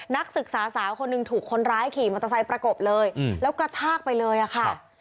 นักศึกษาสาวคนหนึ่งถูกคนร้ายขี่มอเตอร์ไซค์ประกบเลยแล้วกระชากไปเลยอะค่ะ